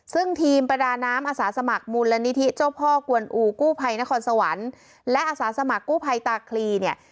ซึ่งทีมประดาน้ำอาสาสมัครมูลนิธิเจ้าพ่อกวนอูกู้ภัยนครสวรรค์และอาสาสมัครกู้ภัยตาคลีเนี่ย